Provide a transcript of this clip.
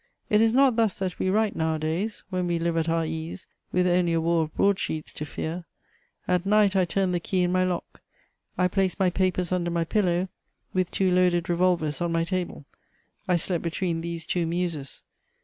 It is not thus that we write nowadays, when we live at our ease, with only a war of broadsheets to fear: at night, I turned the key in my lock; I placed my papers under my pillow, with two loaded revolvers on my table: I slept between these two muses.